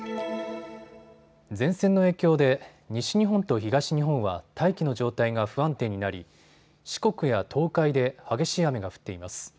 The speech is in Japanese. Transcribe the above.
前線の影響で西日本と東日本は、大気の状態が不安定になり四国や東海で激しい雨が降っています。